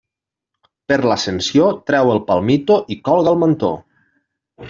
Per l'Ascensió, trau el palmito i colga el mantó.